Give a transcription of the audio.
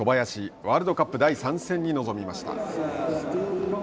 ワールドカップ第３戦に臨みました。